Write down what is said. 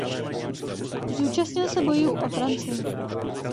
Zúčastnil se bojů o Francii.